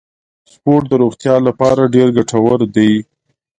سپورت د روغتیا لپاره ډیر ګټور دی.